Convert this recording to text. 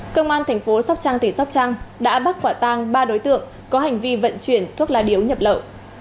công an thành phố sóc trăng tỉ sóc trăng đã bắt quả tang ba đối tượng có hành vi vận chuyển thuốc lá điếu nhập lậu